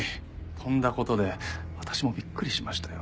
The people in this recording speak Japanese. とんだ事で私もびっくりしましたよ。